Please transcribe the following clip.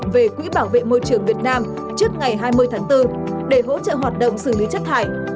về quỹ bảo vệ môi trường việt nam trước ngày hai mươi tháng bốn để hỗ trợ hoạt động xử lý chất thải